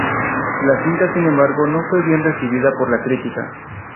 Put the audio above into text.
La cinta sin embargo no fue bien recibida por la crítica.